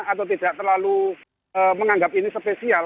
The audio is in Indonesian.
atau tidak terlalu menganggap ini spesial